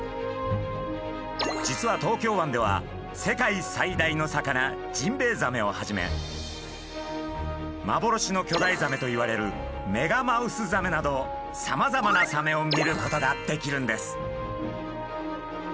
実は東京湾では世界最大の魚ジンベエザメをはじめ幻の巨大ザメといわれるメガマウスザメなどさまざまなサメを見ることができるんです。